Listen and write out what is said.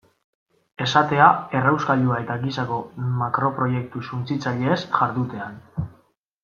Esatea errauskailua eta gisako makroproiektu suntsitzaileez jardutean.